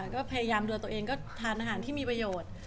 ก็พยายามโดยตัวเองก็ทานอาหารที่มีประโยชน์